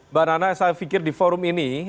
mbak nana saya pikir di forum ini